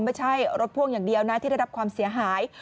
ไม่ใช่รถพ่วงอย่างเดียวนะที่ได้รับความเสียหาย